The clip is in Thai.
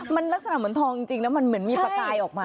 มันลักษณะเหมือนทองจริงแล้วมันเหมือนมีประกายออกมา